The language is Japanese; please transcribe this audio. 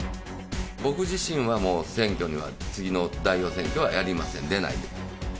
僕自身はもう、選挙には次の代表選挙はやりません、出ないです。